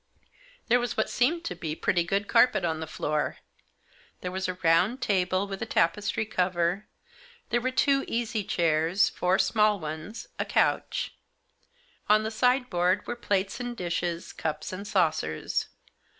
There was what seemed to be a pretty good 64 THE JOSS. carpet on the floor. There was a round table, with a tapestry cover. There were two easy chairs, four small ones, a couch. On the sideboard were plates and dishes, cups and saucers.